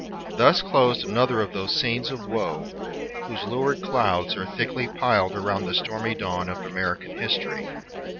Thus closed another of those scenes of woe whose lurid clouds are thickly piled around the stormy dawn of American history.